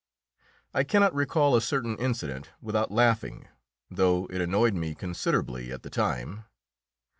I cannot recall a certain incident without laughing, though it annoyed me considerably at the time.